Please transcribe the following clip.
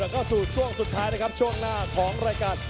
แล้วก็สู่ช่วงสุดท้ายนะครับช่วงหน้าของรายการ